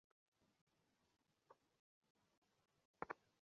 এতো চিন্তা কোরো না।